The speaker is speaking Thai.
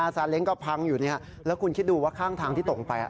ซาเล้งก็พังอยู่แล้วคุณคิดดูว่าข้างทางที่ตกไป